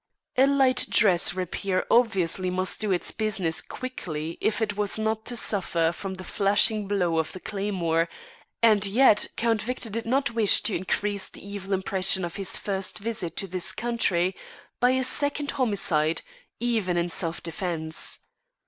A light dress rapier obviously must do its business quickly if it was not to suffer from the flailing blow of the claymore, and yet Count Victor did not wish to increase the evil impression of his first visit to this country by a second homicide, even in self defence.